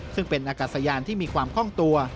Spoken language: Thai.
ซึ่งเป็นอากาศยานที่มีความคล่องตัว